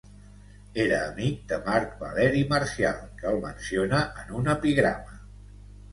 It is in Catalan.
Era amic de Marc Valeri Marcial, que el menciona en un epigrama.